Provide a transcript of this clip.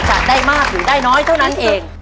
จะได้มากหรือได้น้อยเท่านั้นเอง